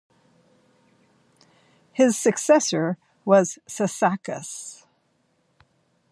His successor was Sassacus.